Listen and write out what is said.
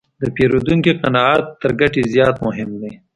د پیرودونکي قناعت تر ګټې زیات مهم دی.